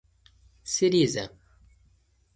سريزه